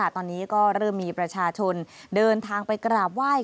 ตอนนี้ก็เริ่มมีประชาชนเดินทางไปกราบไหว้